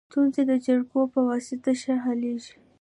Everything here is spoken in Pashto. ستونزي د جرګو په واسطه ښه حلیږي.